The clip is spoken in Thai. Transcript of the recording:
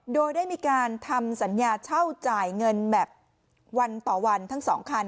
โดยได้มีการทำสัญญาเช่าจ่ายเงินแบบวันต่อวันทั้งสองคัน